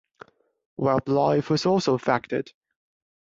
Wildlife was also affected.